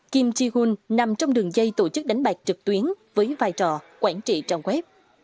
kim chi hun nằm trong đường dây tổ chức đánh bạc trực tuyến với vai trò quản trị trang web